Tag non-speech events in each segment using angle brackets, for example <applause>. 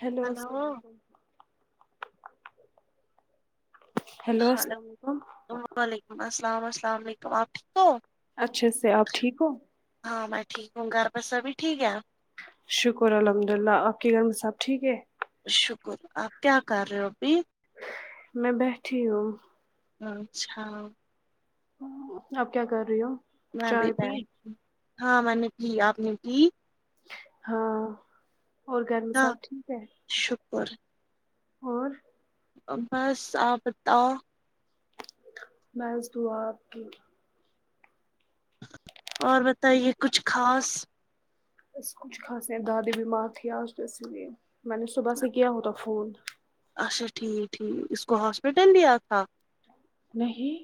hello hello السلام علیکم hello hello السلام علیکم وعلیکم اسلام اسلام علیکم آپ ٹھیک ہو اچھا سے آپ ٹھیک ہو ہاں میں ٹھیک ہوں گھر بسا بھی ٹھیک ہے شکر الحمد للہ آپ کے گھر میں سب ٹھیک ہے شکر آپ کیا کیا کر رہو ابھی میں بیٹھی ہوں ہاں اچھا اب کیا کر رہی ہو میں چائے بھیٹی پی ہوں ہاں میں نے پی آپ نے پی ہلو ہاں شکر اور بس آپ بتاؤ میںس دو آپ کی اور بتائیے کچھ خاص بس کچھ خاص دادی بیمار تھی آج تو اسی لیے میں نے صبح سے کیا ہوتا فون اچھا ٹھیک ٹھیک اس کو ہاسپٹل دیا تھا نہیں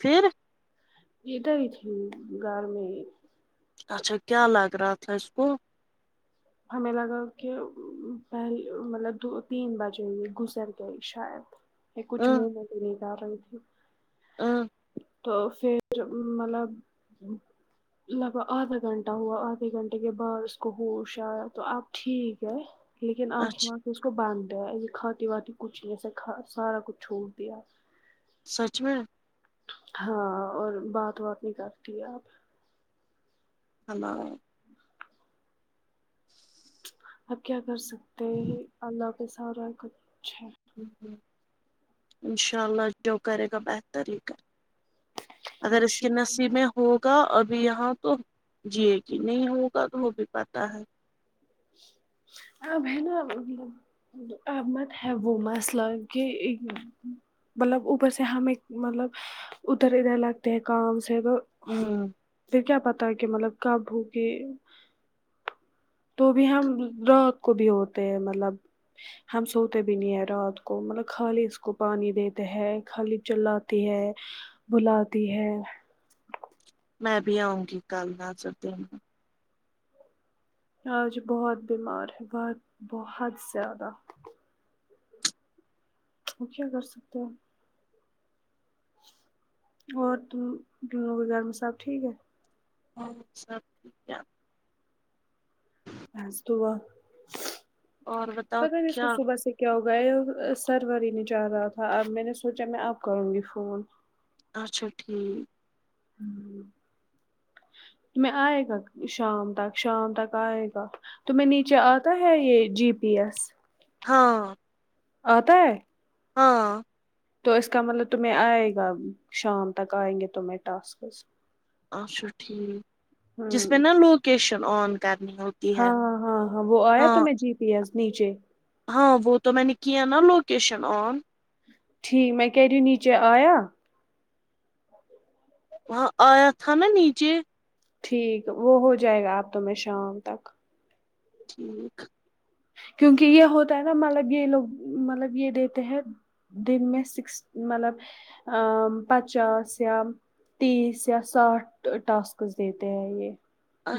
پھر ادھر آیئے تھی گھر میی اچھا کیا لگ رہا تھا اس کو ہمیں لگا کہ پہل مطلب دو تین بجے یہ گزر گئی شاید یہ ا کچھ منہ میں نیہں ڈال رہے تھے ہم تو پھر مطلب لگا آدھا گھنٹہ ہوا آدھے گھنٹے کے بعد اس کو ہوش تو آپ ٹھیک ہے لیکن اچھا آنکھیںاں اس کو باندھ دیا یہ کھاتی وھاتی کچھ نہیں ایسےھی سارا کچھ چھوڑ دیا سچ میں ہاں اور بات وات نہیں کرتی آپ حنا آپ کیا کر سکتے ہیں اللہ پے سارا کچھ ہے انشاء اللہ جو کرے گا بہتر ہی کر اگر اس کے انشاء نصیب میں ہوگا ابھی یہاں تو جیے گی نہیں ہوگا تو ہو بھی پتہ ہے اب ہیں نہ ا ب مت ہے وہ مسئلہ کہ مطلب اوپر سے ہمیں مطلب ادھر ادھر لگتے ہیں کام سے تو ہمم پ کیا پتا ہے کہ مطلب کب بھوگی تو بھی ہم رات کو بھی ہوتے ہیں مطلب ہم سوتے بھی نہیں ہے رات کو مطلب خالی اس کو پانی دیتے ہیں خالی چلاتی ہے بلاتی ہے میں بھی آؤں گی کل ن سات دن آج بہت بیمار ہے بہت بہت زیادہ پ کیا کر سکتے ہو اور ت تم لوگوں کے گھر میں سب ٹھیک ہے ہاں سب ٹھیک ہے بس دوا اور بتاؤ مگر اس کو کیا صبح سے کیا ہوگا سرور ہی نہیں چاہ رہا تھا اب میں نے سوچا میں اب کروں گی فون اچھا ٹھیک میں آئے گا شام تک شام تک آئے گا تو میں نیچے آتا ہے یہ جی پی ایس ہاں آتا ہے ہاں تو اس کا مطلب تمہیں آئے گا شام تک آئیں گے تمہ ٹاسکز اچھا ٹھیک جس ہوں میں نا لوکیشن آن کرنی ہوت ہاں ہاں ہاں ہاں وہ آیا تو میں جی پ یس نیچے ہاں وہ تو میں نے کیا نہ لوکیشن آن ٹھیک میں کیریو نیچے آیا وہاں آیا تھا نا نیچے ٹھیک وہ ہو جائے گا آپ تو میں شام تک ٹھیک کیوکی یہ ہوتا ہے نا مطلب یہ لوگ مطلب یہ دیتے ہیں دن میں سکس مطلب ا پچاس یا تیس یا ساٹھ ٹاسکس دیتے ہیں یہ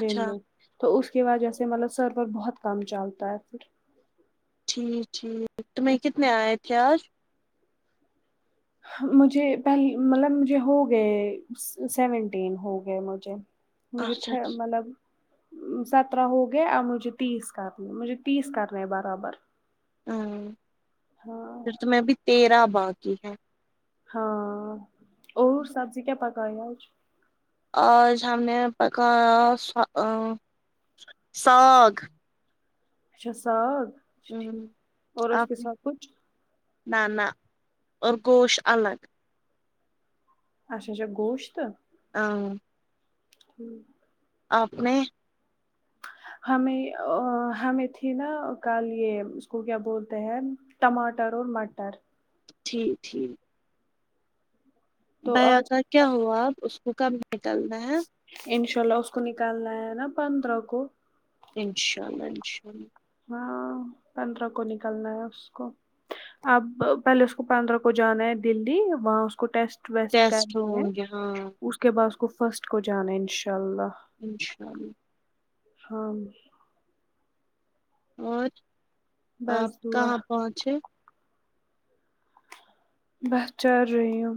دن میں تو اس کے وجہ سے مطلب سر پر بہت کم چلتا ہے پھر جی ٹھیک تو میں کتنے آئے تھے آج مجھے پہل مطلب مجھے ہو گئے سیونٹین ہو گئے مجھے مجھے اچھا مطلب سترہ ہو گیا اور مجھے تیس کرنے مجھے تیس کرنا ہے برابر ہاں ہاں پھر تو میں بھی تیرہ باقی ہے ہاں اور سبزی کیا پکائی اج اج ہم نے پکایا سا ا ساگ اچھا ساگ اچھا ٹھیک اور اس کے ساتھ کچھ نہ نہ اور گوش الگ اچھا اچھا گوشت اں ٹھیک آپ نے ہمیں ہمیں تھی نا کل یے اس کو کیا بولتے ہیں ٹماٹر اور مٹر ٹھیک ٹھیک تو بیا آج کا کیا ہوا آب اس کو کب نکلنا ہے انشاء اللہ اس کو نکالنا ہے نا پندرہ کو انشاء اللہ انشاء اللہ ہاں پندرہ کو نکلنا ہے اس کو اب پہلے اس کو پندرہ کو جانا ہے دلی وہاں اس کو ٹیسٹ ٹیسٹ کرنی ہیں ہوں گے ہاں اس کے بعد اس کو فرسٹ کو جانا ہے انشاء اللہ انشاء اللہ ہمم اور آپ بس دعا کہاں پہنچے بہے چارہی ہوں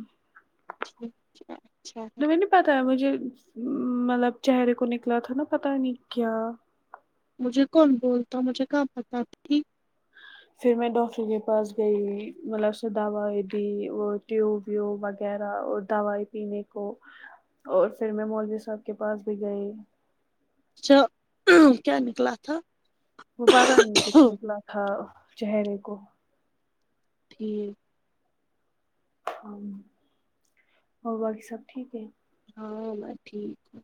ٹھیک چے اچھا ہے تمہیں نہیں پتا ہے مجھے مطلب چہرے کو نکلا تھا نا پتا نہیں کیا مجھے کون بولتا مجھے کہاں پتا تھا کی فیر میں ڈاکٹر کے پاس گئی مطلب اس سے دوائیں دی وہ ٹیوب ویوب وغیرہ اور دوائی پینے کو اور فیر میں مولوی صاحب کے پاس بھی گئے اچھا کیا نکلا تھا وہ پتا نہیں کچھ نکلا تھا چہرے کو ٹھیک اور باکی سب ٹھیک ہے ہاں میں ٹھیک ہوں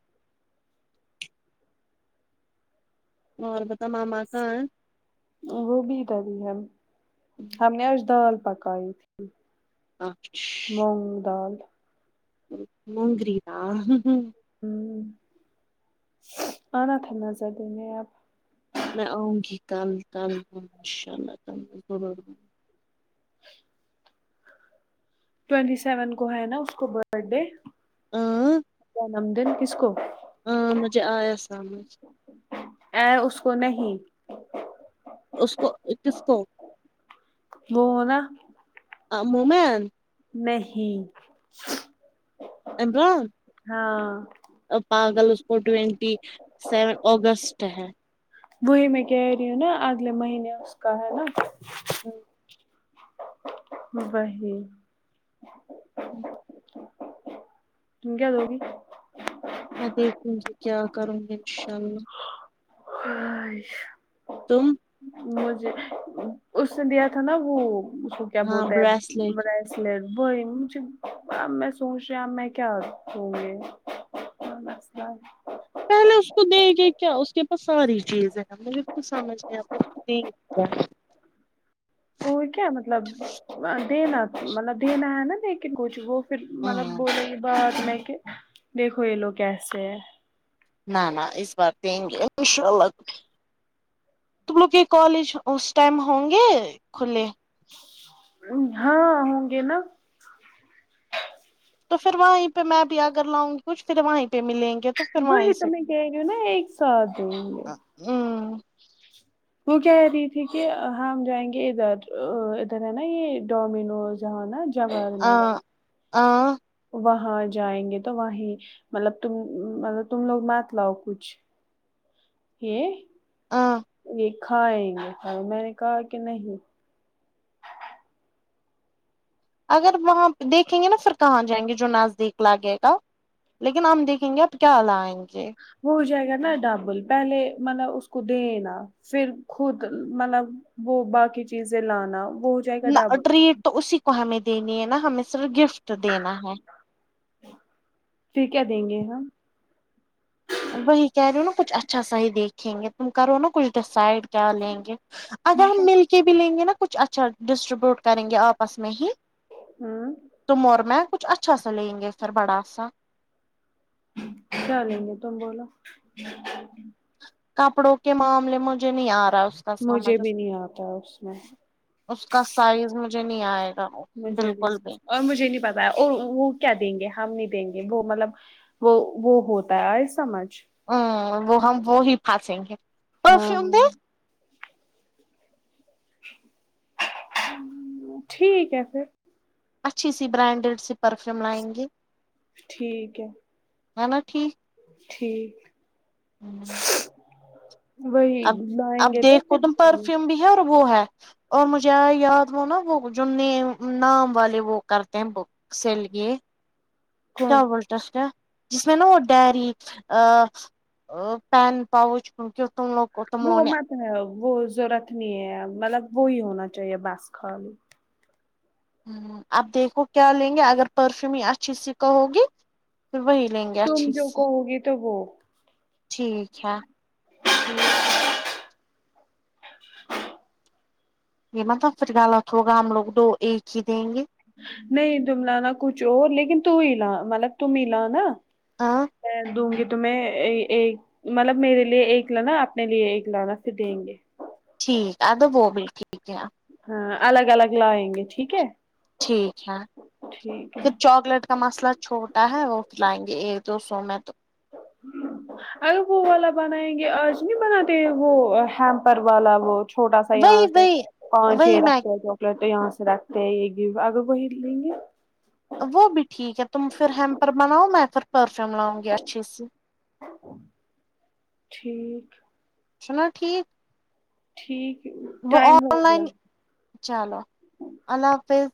اور بتا ماما کہا ہے وہ بھی ادھر ہی ہے ہم نے آج دال پکائی مونگ دال مونگری دال آنا تھا نا ظردے میں آپ میں آؤں گی کل کل انشاء اللہ تعالا ضرور ٹوینٹی سیون کو ہے نا اس کو برتھڈے ہاں جنم دن کس کو ہاں مجھے آیا سمجھ اے اس کو نہیں اس کو کس کو وہ ہو نا آ مومین نہیں عمران ہاں آ آ آ پاگل اس کو ٹوینٹی سیون اگسٹ ہے وہی میں کہے رہی ہو نا اگلے مہینے اس کا ہےنا <unintelligible> وہی <inaudible> تم کیا دوگی میں دیکھوں گی کیا کروں گی انشاء اللہ <unintelligible> تم مجھے اس نے دیا تھا نا وہ اس کو کیا ہاں بولتے ہے بریسلیٹ اس لیئے وہی مجھے اب میں سوچ رہی میں کیا دو گی اور مثلا پہلے اس کو دیں گے کیا اس کے پاس ساری چیزیں ہے مجھے کچھ سمجھ نہیں آتا اس کو دیں گے کیا وہ کیا مطلب دینا مطلب دینا ہے نا لیکن کچھ وہ پھر مطلب ہاں بولینگے بعد میں کہ دیکھو یہ لوگ کیسے ہے نا نا اس بار دینگے انشاء االلہ کچھ تم لوگ کے کالج اس ٹائم ہوں گے کھلے ہاں ہوں گے نا تو فیر وہیں پے میں بھی اگر لاؤ گی کچھ فیر وہیں پے ملے گے تو پھر وہی وہیں تو سے میں کہ رہی ہو نا ایک سات دے ہم وہ کہہ رہی تھی کہ ہم جائیں گے ادھر ادھر ہے نا یہ ڈومینوز اہ نا آ جگرنگر آ وہاں جائیں گے تو وہیں مطلب تم مطلب تم لوگ مت لاؤ کچھ یہ ہاں کھائیں گے میں نے کہا کہ نہیں اگر وہاں دیکھیں گے نا پھر کہاں جائیں گے جو نزدیک لگے گا لیکن ہم دیکھیں گے آپ کیا لائیں گے وہ ہو جائے گا نا ڈبل پہلے مطلب اس کو دینا پھر خود مطلب وہ باقی چیزیں لانا وہ جائے گا نہ ڈبل ٹریٹ تو اسی کو ہمیں دینی ہے نا ہمیں صرف گفٹ دینا ہے پھر کیا دیں گے ہم وہی کہہ رہی ہو نا کچھ اچھا سا ہی دیکھیں گے تم کرو نا کچھ ڈیسسیڈ کیا لیں گے اگر ہم ملک کے بھی لیں گے نا کچھ اچھا ڈسٹریبیوٹ کریں گے آپس میں ہی ہم تم اور میں کچھ اچھا سا لیں گے پھر بڑا سا کیا لیں گے تم بولو کپڑوں کے معاملے مجھے نہیں آ رہا کا مجھے سمجھ بھی نہیں آتا اس میں اس کا سائز مجھے نہیں آئے گا بالکل بھی اور مجھے نہیں پتا اور وہ کیا دیں گے ہم نہیں دیں گے وہ مطلب وہ وہ ہوتا ہے آ سمجھ ہ وہ ہم وہ ہی پھاسیں گے پرفیوم دے ہاں ٹھیک ہے پھر اچھی سی برانڈیڈ سی پرفیوم لائیں گے ٹھیک ہے ہے نا ٹھیک ٹھیک ہم وہی اب لائیں اب گے تو دیکھو پھر تم دیں گے پرفیوم بھی ہے اور وہ ہے اور مجھے ا یاد ہو نا وہ جو نے نام والے وہ کرتے ہیں بک سل یہ کون جس میں نا وہ ڈیری پا پین پاؤچ کی تملوگ کو وہ مت ا وہ ضرورت نہیں ہے مطلب وہی ہونا چاہیے بس خلی ہوں اب دیکھو کیا لیں گے اگر پرفیوم ہی اچھی سی کا ہوگی پھر وہی لیں گے تم اچھی جو سے کہو گی تو وہ ٹھیک ہے یہ مطلب پھر غلط ہوگا ہم لوگ تو ایک ہی دیں گے نہیں تم لانا کچھ اور لیکن تو ہی لا مطلب تم ہی لا نا ہاں می دونگی میں ایک ایک مطلب میرے لیے ایک لانا اپنے لیے ایک لانا پھر دیں گے ٹھیک وہ بھی ٹھیک ہے ہاں الگ الگ لائیں گے ٹھیک ہے ٹھیک ہے ٹھیک ہے پھر چاکلیٹ کا مسئلہ چھوٹا ہے وہ پلائیں گے ایک دو سو میں تو اگر وہ والا بنائیں گے آج نہیں بناتے وہ ہیمپر والا وہ چھوٹا سا یہاں وہی سے وہی پانچ وہی چھ میں رستے جو تو یہاں سے رکھتے ہیں یہ آگے وہ ہلیں گے وہ بھی ٹھیک ہے تم پھر ہیمپر بناؤ میں پھر پرفیوم لاؤں گی اچھے سے ٹھیک سونا ٹھیک ٹھیک وہ ٹائم آن ہو گیا لائن چلو اللہ حافظ